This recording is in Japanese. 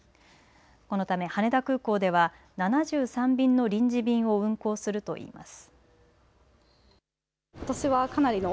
このため、羽田空港では７３便の臨時便を運航すると言います。